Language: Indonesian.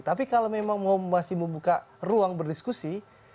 tapi kalau memang mau masih membuka ruang berdiskusi